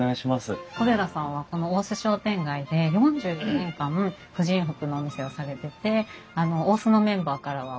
小寺さんは大須商店街で４４年間婦人服のお店をされてて大須のメンバーからは